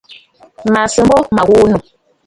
Mə̀ sìʼî m̀bô ma ghu nû.